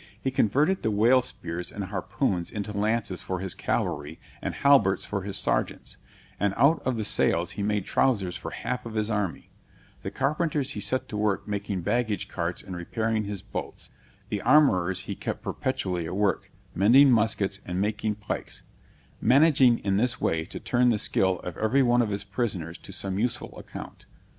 He converted the whale spears and harpoons into lances for his cavalry, and halberts for his sergeants; and out of the sails he made trowsers for half of his army; the carpenters he set to work making baggage carts and repairing his boats; the armourers he kept perpetually at work, mending muskets, and making pikes; managing in this way, to turn the skill of every one of his prisoners to some useful account.